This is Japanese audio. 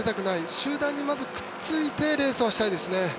集団にまずくっついてレースをしたいですね。